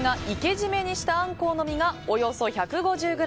締めにしたアンコウの身が、およそ１５０ｇ。